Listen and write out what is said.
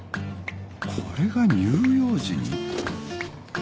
これが乳幼児に。